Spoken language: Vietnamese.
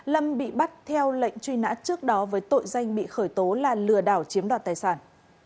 lâm bị bắt theo lệnh truy nã trước đó với tội danh bị khởi tố là lừa đảo chiếm đoạt tài sản